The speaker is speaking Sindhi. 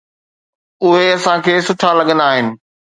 اهي اسان کي سٺا لڳندا آهن.